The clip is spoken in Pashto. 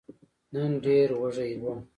نن ډېر وږی وم !